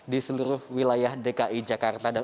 di seluruh wilayah dki jakarta